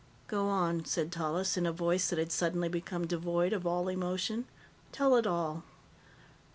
"Go on," said Tallis, in a voice that had suddenly become devoid of all emotion. "Tell it all."